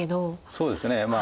そうですね。